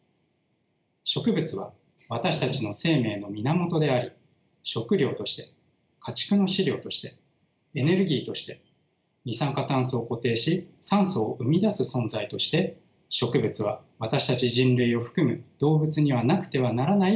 植物は私たちの生命の源であり食糧として家畜の飼料としてエネルギーとして二酸化炭素を固定し酸素を生み出す存在として植物は私たち人類を含む動物にはなくてはならない存在です。